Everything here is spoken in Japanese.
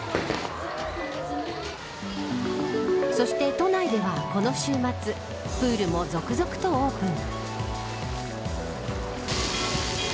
そして都内ではこの週末プールも続々とオープン。